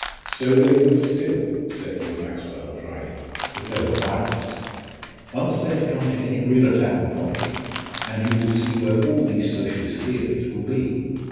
"So they would still," said Lord Maxwell, drily, "if there were violence. Once let it come to any real attack on property, and you will see where all these Socialist theories will be.